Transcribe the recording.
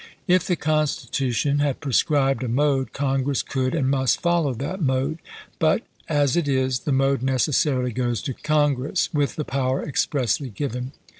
If the Constitution had prescribed a mode, Congress could and must fcUow that mode ; but, as it is, the mode necessarily goes to Congress, with the power expressly given.